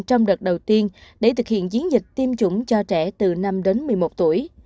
trong đợt đầu tiên để thực hiện chiến dịch tiêm chủng cho trẻ từ năm đến một mươi một tuổi